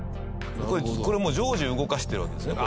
これもう常時動かしてるわけですね